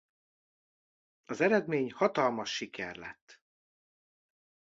Az eredmény hatalmas siker lett.